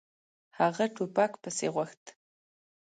هغه ټوپک پسې غوښت.